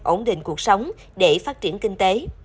ổn định cuộc sống để phát triển nông nghiệp